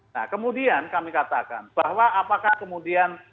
nah kemudian kami katakan bahwa apakah kemudian